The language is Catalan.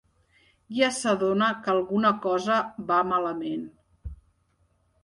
Ja s'adona que alguna cosa va malament.